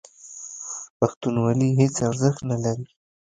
پښتونولي هېڅ ارزښت نه لري.